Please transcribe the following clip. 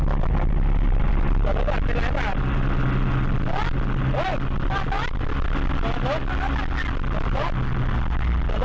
แกหว่านหรอ